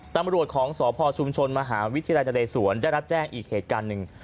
ตำรวจของสพชุมชนมหาวิทยาลัยนเรศวรได้รับแจ้งอีกเหตุการณ์หนึ่ง